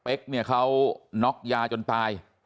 เนี่ยเขาน็อกยาจนตาย